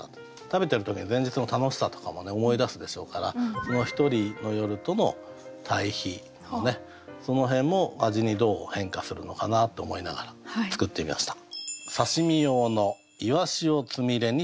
食べてる時に前日の楽しさとかも思い出すでしょうからその一人の夜との対比もねその辺も味にどう変化するのかなと思いながら作ってみました。